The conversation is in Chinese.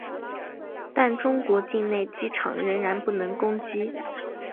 但中国境内机场依然不能攻击。